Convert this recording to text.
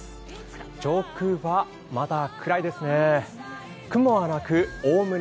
上空はまだ暗いですね。